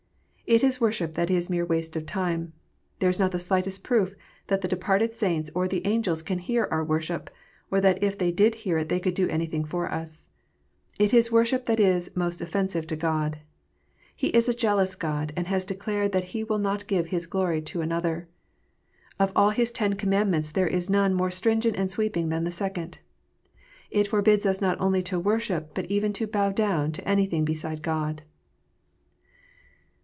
It is worship that is mere waste of time. There is not the slightest proof that the departed saints or the angels can hear our worship, or that if they did hear it they could do anything for us. It is worship that is most offensive to God. He is a jealous God, and has declared that He will not give His glory to another. Of all His Ten Commandments there is none more stringent and sweeping than the Second. It forbids us not only to worship, but even to " bow down " to anything beside God.